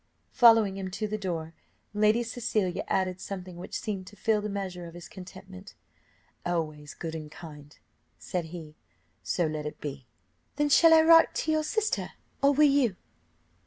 Following him to the door, Lady Cecilia added something which seemed to fill the measure of his contentment. "Always good and kind," said he; "so let it be. "Then shall I write to your sister, or will you?"